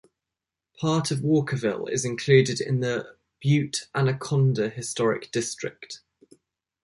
Part of Walkerville is included in the Butte-Anaconda Historic District.